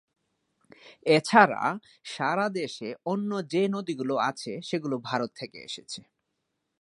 এছাড়া সারা দেশে অন্য যে নদীগুলো আছে সেগুলো ভারত থেকে এসেছে।